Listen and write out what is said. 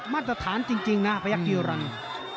บัตรฐานจริงนะพยักษณ์อีรันทร์